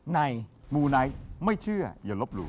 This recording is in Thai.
ไหนมูไหนไม่เชื่ออย่าลบหลู่